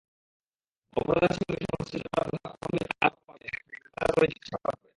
অপরাধের সঙ্গে সংশ্লিষ্টতার প্রাথমিক আলামত পাওয়া গেলে তাকে গ্রেফতার করে জিজ্ঞাসাবাদ করে।